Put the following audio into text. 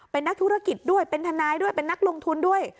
เป็นนักธุรกิจด้วยเป็นทนายด้วยเป็นนักลงทุนด้วย